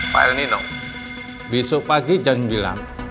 pak el nino besok pagi jam bilang